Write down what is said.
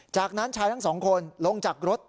จากนั้นชายทั้งสองคนลงจากรถ